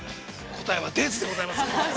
答えは出ず、でございます。